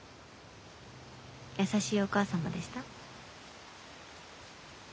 優しいお義母様でした？